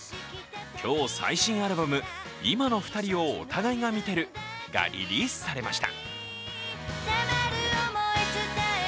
今日、最新アルバム「今の二人をお互いが見てる」がリリースされました。